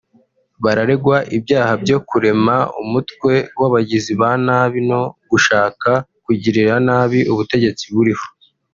Bararegwa ibyaha byo kurema umutwe w’abagizi ba nabi no gushaka kugirira nabi ubutegetsi buriho